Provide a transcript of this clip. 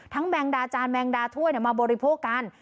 แมงดาจานแมงดาถ้วยมาบริโภคกัน